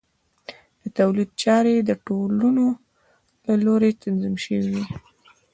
د تولید چارې د ټولنو له لوري تنظیم شوې وې.